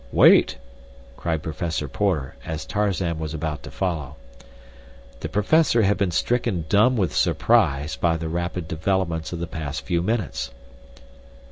"Wait," cried Professor Porter, as Tarzan was about to follow. The professor had been stricken dumb with surprise by the rapid developments of the past few minutes.